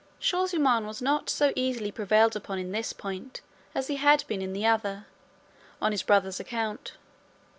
Shaw zummaun was not so easily prevailed upon in this point as he had been in the other, on his brother's account.